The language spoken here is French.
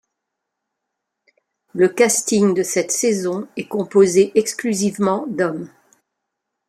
Le casting de cette saison est composé exclusivement d'hommes.